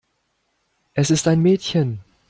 Es ist ein Mädchen.